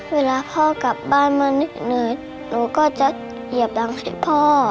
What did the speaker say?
เวลาพ่อกลับบ้านมานึกหนูก็จะเหยียบดังให้พ่อ